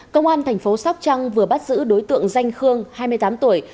cơ quan thành phố sóc trăng vừa bắt giữ đối tượng danh khương hai mươi tám tuổi